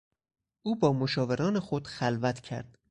او با مشاوران خود خلوت کرد.